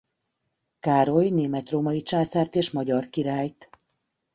Károly német-római császárt és magyar királyt.